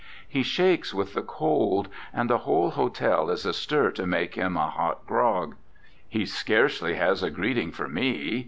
He shakes with the cold, and the whole hotel is astir to make him a hot grog, He scarcely has a greeting for me.